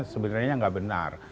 sebenarnya tidak benar